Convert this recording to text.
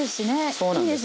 そうなんです。